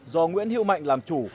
do nguyễn hiệu mạnh làm chủ